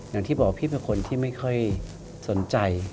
อย่างที่บอกว่าพี่เป็นคนที่ไม่ค่อยสนใจ